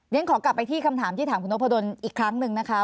ขอกลับไปที่คำถามที่ถามคุณนพดลอีกครั้งหนึ่งนะคะ